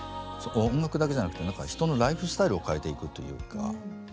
音楽だけじゃなくて人のライフスタイルを変えていくというか。